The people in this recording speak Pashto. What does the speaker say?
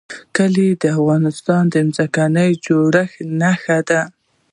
کلي د افغانستان د ځمکې د جوړښت نښه ده.